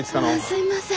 すいません！